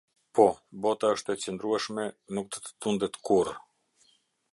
Po, bota është e qëndrueshme nuk do të tundet kurrë.